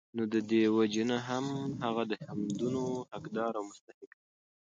نو د دي وجي نه هم هغه د حمدونو حقدار او مستحق دی